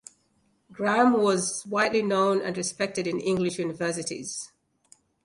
Gram was widely known and respected in English universities.